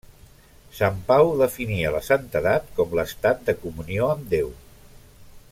Sant Pau definia la santedat com l'estat de comunió amb Déu.